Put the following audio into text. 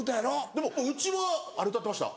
でもうちはあれ歌ってました